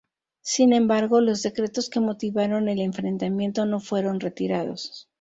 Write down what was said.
Sin embargo, los decretos que motivaron el enfrentamiento no fueron retirados.